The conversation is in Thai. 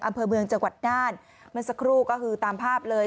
อำเภอเมืองจังหวัดน่านเมื่อสักครู่ก็คือตามภาพเลย